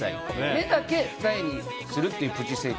目だけ二重にするっていうプチ整形。